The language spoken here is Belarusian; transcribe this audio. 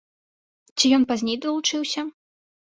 Ці ён пазней далучыўся?